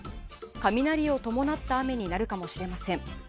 雷を伴った雨になるかもしれません。